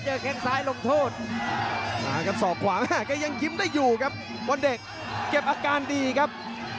เจอแข่งซ้ายลงโทษสอกขวายังยิ้มได้อยู่ครับวันเด็กเก็บอาการดีครับ